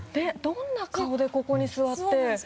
どんな顔でここに座って。